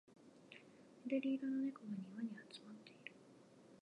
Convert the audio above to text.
緑色の猫が庭に集まっている